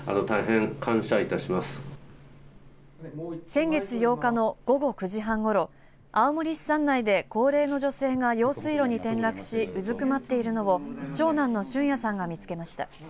先月８日の午後９時半ごろ青森市三内で高齢の女性が用水路に転落しうずくまっているのを長男の俊也さんが見つけました。